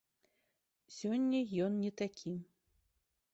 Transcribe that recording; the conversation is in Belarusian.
Сёння ён не такі.